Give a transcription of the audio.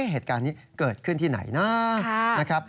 เหตุการณ์นี้เกิดขึ้นที่ไหนนะครับ